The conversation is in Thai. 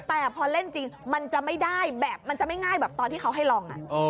แต่พอเล่นจริงมันจะไม่ได้แบบมันจะไม่ง่ายแบบตอนที่เขาให้ลอง